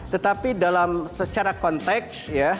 tetapi dalam secara konteks